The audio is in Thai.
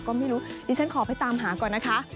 ก็ไม่รู้ดิฉันขอไปตามหาก่อนนะคะ